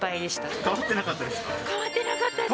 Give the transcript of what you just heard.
変わってなかったです。